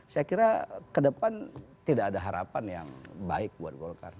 saya kira ke depan tidak ada harapan yang baik buat golkar